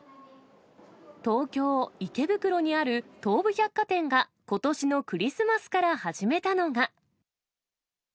東京・池袋にある東武百貨店がことしのクリスマスから始めたのが。